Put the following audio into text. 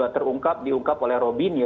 terungkap diungkap oleh robin ya